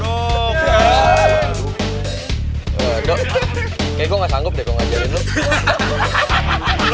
do kayaknya gue gak sanggup deh gue ngajarin lu